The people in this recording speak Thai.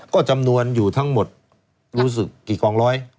ก็จำนวนอยู่ทั้งหมดรู้สึกกี่กองร้อย